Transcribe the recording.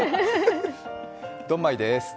ドンマイです。